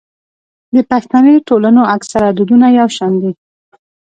د پښتني ټولنو اکثره دودونه يو شان دي.